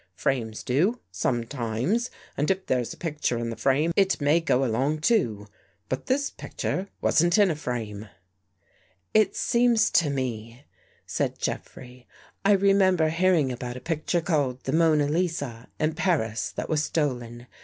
Frames do, sometimes, and if there's a picture in the frame, it may go along too. But this picture wasn't in a frame." " It seems to me," said Jeffrey, " I remember hearing about a picture called The Mona Lisa, in Paris, that was stolen.